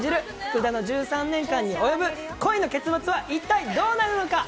福田の１３年間に及ぶ恋の結末は一体どうなるのか？